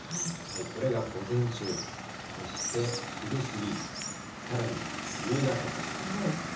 これが午前中、そして昼過ぎ、さらに夕方と。